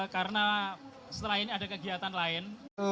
karena setelah ini ada kegiatan lain